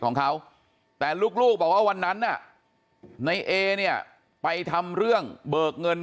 ของเขาแต่ลูกบอกว่าวันนั้นน่ะในเอเนี่ยไปทำเรื่องเบิกเงิน